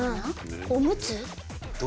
おむつ。